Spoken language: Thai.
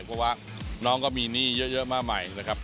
เพราะว่าน้องก็มีหนี้เยอะมากใหม่นะครับ